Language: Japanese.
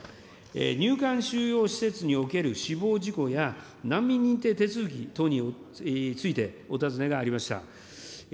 入管収容施設における死亡事故や、難民認定手続き等についてお尋ねがありました。